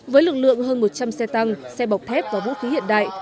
với lực lượng hơn một trăm linh xe tăng xe bọc thép và vũ khí hiện đại